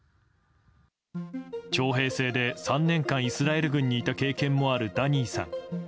徴兵制で、３年間イスラエル軍にいた経験もあるダニーさん。